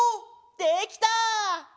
できた！